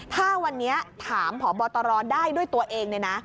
ถ้าวันนี้ถามพบตรได้ด้วยตัวเองเนี่ยนะ